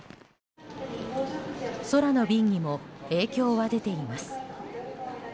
空の便にも影響は出ています。